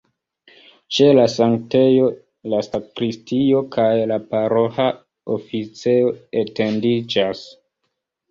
Ĉe la sanktejo la sakristio kaj la paroĥa oficejo etendiĝas.